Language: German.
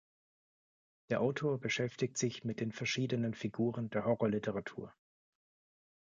Der Autor beschäftigt sich mit den verschiedenen Figuren der Horrorliteratur.